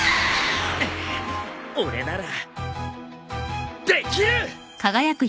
俺ならできる！